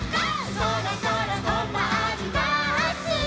「そろそろとまります」